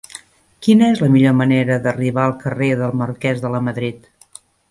Quina és la millor manera d'arribar al carrer del Marquès de Lamadrid?